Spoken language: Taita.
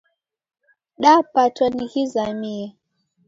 Dapatwa ni ghizamie